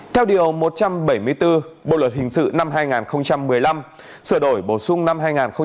theo điều một trăm bảy mươi bốn bộ luật hình sự năm hai nghìn một mươi năm sửa đổi bổ sung năm hai nghìn một mươi bảy